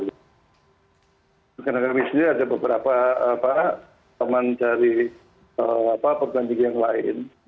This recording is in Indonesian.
karena kami sendiri ada beberapa teman dari pergantian lain